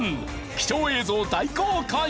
貴重映像大公開！